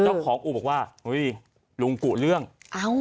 เจ้าของอู่บอกว่าเฮ้ยลุงกุเรื่องเอ้า